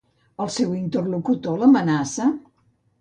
El seu interlocutor l'amenaça?